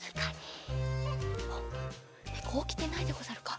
おっねこおきてないでござるか？